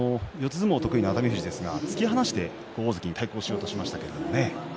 相撲得意な熱海富士ですが突き放して大関に対抗しようとしましたけどね。